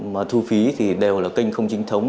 mà thu phí thì đều là kênh không chính thống